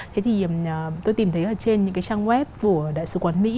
thế thì tôi tìm thấy ở trên những cái trang web của đại sứ quán mỹ